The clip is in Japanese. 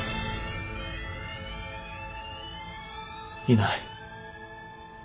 いない。